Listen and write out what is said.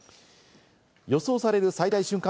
予想される最大瞬間